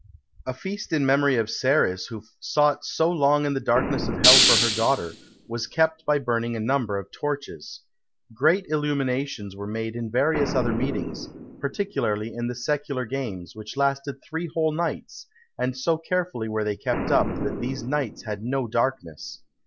A feast in memory of Ceres, who sought so long in the darkness of hell for her daughter, was kept by burning a number of torches. Great illuminations were made in various other meetings; particularly in the Secular Games, which lasted three whole nights; and so carefully were they kept up, that these nights had no darkness.